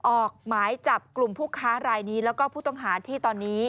ออกหมายจับกลุ่มผู้ค้ารายนี้แล้วก็ผู้ต้องหาที่ตอนนี้